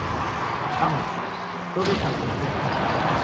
¡ vamos! ¡ todos al laboratorio!